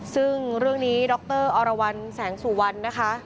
ซึ่งเรื่องนี้ดรอสูวัลลี่นะคะ